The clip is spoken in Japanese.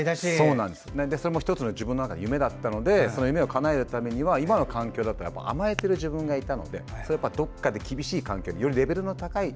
それも１つの、自分の中での夢だったのでそれをかなえるためには今の環境だったら甘えてる自分がいたのでどこかで厳しい環境に。よりレベルの高い。